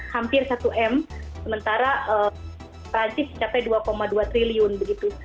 hampir satu m sementara perancis mencapai dua dua triliun begitu